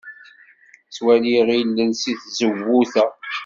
Ttwaliɣ ilel seg tzewwut-a.